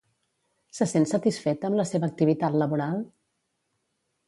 Se sent satisfeta amb la seva activitat laboral?